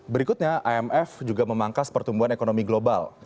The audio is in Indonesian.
berikutnya imf juga memangkas pertumbuhan ekonomi global